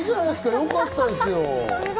よかったですよ！